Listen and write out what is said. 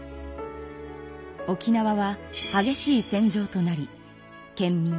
沖縄ははげしい戦場となり県民